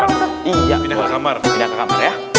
ayo pindah ke kamar ya